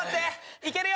いけるよ！